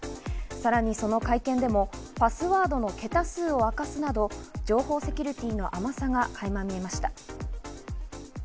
さらにその会見でもパスワードの桁数を明かすなど、情報セキュリティの甘さが垣間見えました。